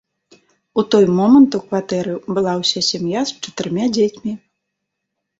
У той момант у кватэры была ўся сям'я з чатырма дзецьмі.